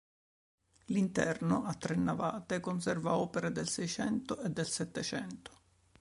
L'interno, a tre navate, conserva opere del Seicento e del Settecento.